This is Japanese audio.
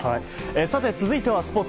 続いては、スポーツ。